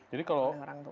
jadi kalau tumor itu